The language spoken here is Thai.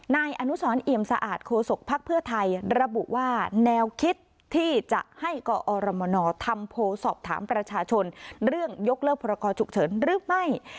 นายอนุสรเอี่ยมสะอาดโคศกภักดิ์เพื่อไทยระบุว่าแนวคิดที่จะให้กอรมนทำโพลสอบถามประชาชนเรื่องยกเลิกพรกรฉุกเฉินหรือไม่